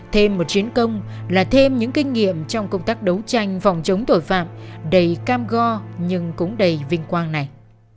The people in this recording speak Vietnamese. thêm một chiến công là thêm những kinh nghiệm trong công tác đấu tranh phòng chống tội phạm đầy cam go nhưng cũng đầy vinh quang này